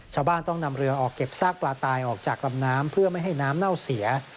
ชาวบ้านต้องนำเรือออกเก็บซากปลาตายออกจากลำน้ำเพื่อไม่ให้น้ำเน่าเสีย